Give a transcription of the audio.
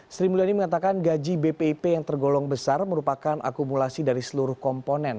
sri mulyani mengatakan gaji bpip yang tergolong besar merupakan akumulasi dari seluruh komponen